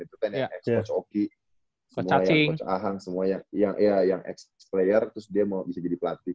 itu kan yang ex coach oki coach ahang semua yang iya yang ex player terus dia mau bisa jadi pelatih